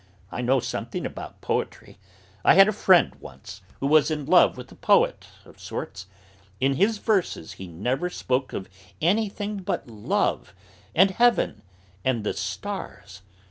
I know something about poetry. I had a friend, once, who was in love with a poet of sorts. In his verses he never spoke of anything but love, and heaven, and the stars.